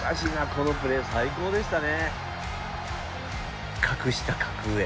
このプレー最高でしたね。